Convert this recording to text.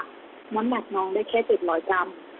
น้ำหนักน้องได้แค่๗๐๐กรัม